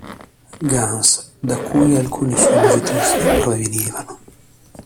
Guns, da cui alcuni suoi musicisti provenivano.